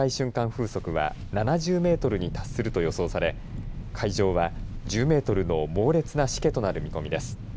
風速は７０メートルに達すると予想され海上は１０メートルの猛烈なしけとなる見込みです。